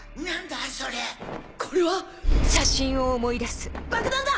これは！爆弾だ！